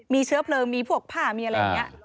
มีเชื้อเพลิงมีพวกผ้ามีอะไรอย่างนี้